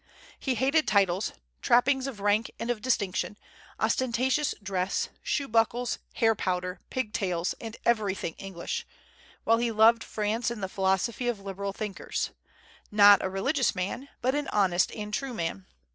He hated titles, trappings of rank and of distinction, ostentatious dress, shoe buckles, hair powder, pig tails, and everything English, while he loved France and the philosophy of liberal thinkers; not a religious man, but an honest and true man.